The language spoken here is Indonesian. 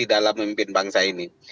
dalam memimpin bangsa ini